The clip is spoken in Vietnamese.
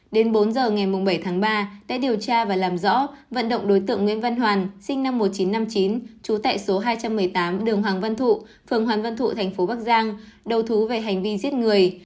đến bốn giờ ngày bảy tháng ba đã điều tra và làm rõ vận động đối tượng nguyễn văn hoàn sinh năm một nghìn chín trăm năm mươi chín trú tại số hai trăm một mươi tám đường hoàng văn thụ phường hoàn văn thụ thành phố bắc giang đầu thú về hành vi giết người